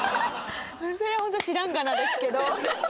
それは本当「知らんがな」ですけど。